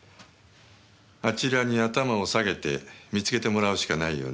あちらに頭を下げて見つけてもらうしかないよね。